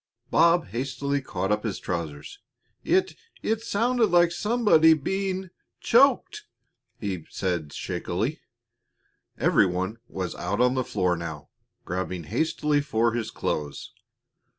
Bob hastily caught up his trousers. "It it sounded like somebody being choked," he said shakily. Every one was out on the floor now, grabbing hastily for his clothes.